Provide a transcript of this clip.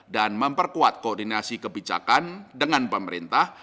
dan memperkuat koordinasi kebijakan dengan pemerintah